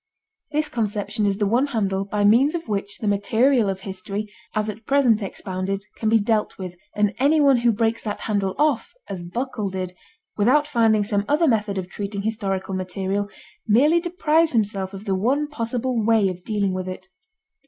This conception is the one handle by means of which the material of history, as at present expounded, can be dealt with, and anyone who breaks that handle off, as Buckle did, without finding some other method of treating historical material, merely deprives himself of the one possible way of dealing with it.